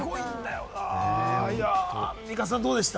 アンミカさん、どうでした？